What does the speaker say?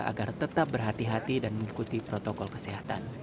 agar tetap berhati hati dan mengikuti protokol kesehatan